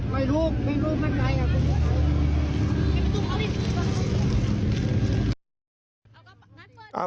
ไม่รู้ไม่รู้ไม่ไง